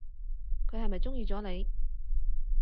佢係咪中意咗你？